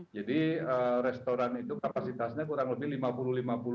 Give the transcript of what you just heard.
jadi restoran itu kapasitasnya kurang lebih lima puluh lima puluh